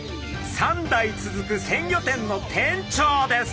３代続く鮮魚店の店長です。